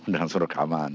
dan suruh rekaman